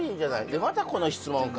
で「またこの質問か」